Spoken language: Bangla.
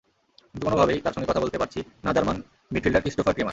কিন্তু কোনোভাবেই তার সঙ্গে কথা বলতে পারছি নাজার্মান মিডফিল্ডার ক্রিস্টোফার ক্রেমার।